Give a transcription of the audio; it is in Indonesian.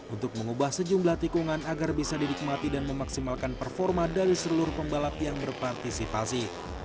untuk mengubah sejumlah tikungan agar bisa didikmati dan memaksimalkan performa dari seluruh pembalap yang berpartisipasi